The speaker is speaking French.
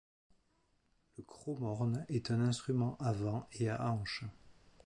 Le Cromorne est un instrument à vent et à anche.